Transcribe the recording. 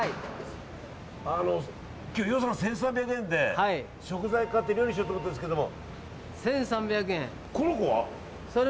今日予算１３００円で食材買って料理しようと思ってるんですけど。